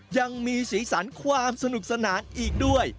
ยังมีสีสันความสนุกสนานอีกด้วย